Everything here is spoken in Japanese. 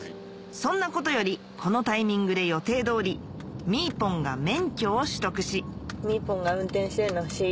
そんなことよりこのタイミングで予定通りみーぽんが免許を取得しみーぽんが運転してるの不思議。